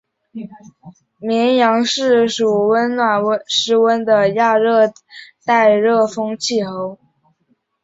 绵阳市属温暖湿润的亚热带季风气候。